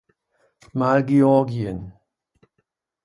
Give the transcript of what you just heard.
Mal Georgien.